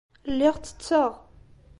Lliɣ ttetteɣ.